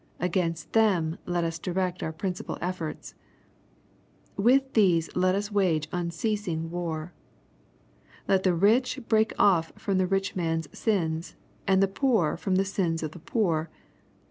Against them let us direct our principal efforts. "With these let us wage unceasing war. Let the rich break off from the rich man's sins, and the poor from the sins of the poor.